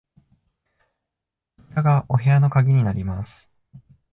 こちらがお部屋の鍵になります。